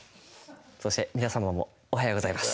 そして皆様もおはようございます。